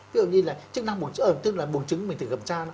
tức là buồn trứng mình thử gặp tra